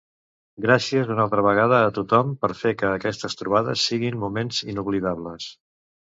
Gràcies una altra vegada a tothom per fer que aquestes trobades siguin moments inoblidables.